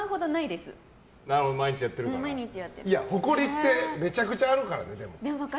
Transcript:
でも、ほこりってめちゃくちゃあるからね。